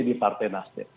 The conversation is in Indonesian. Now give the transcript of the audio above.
di partai nasdem